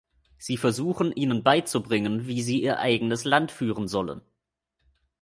Sie versuchen, Ihnen beizubringen, wie Sie Ihr eigenes Land führen sollen.